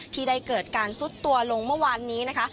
ที่ได้เกิดการซุดตัวลงเมื่อวานนี้นะคะ